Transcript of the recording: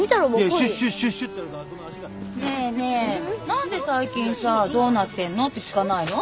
何で最近さ「どうなってんの？」って聞かないの？